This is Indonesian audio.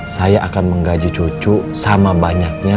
saya akan menggaji cucu sama banyaknya